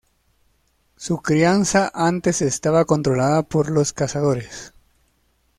Su crianza antes estaba controlada por los cazadores.